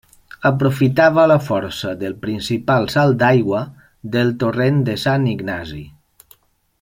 Aprofitava la força del principal salt d'aigua del torrent de Sant Ignasi.